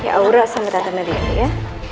ya aura sama tata nadia ya